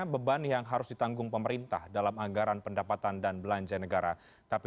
beban yang harus ditanggung pemerintah dalam anggaran pendapatan dan belanja negara tapi